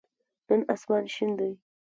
نن آسمان شین دی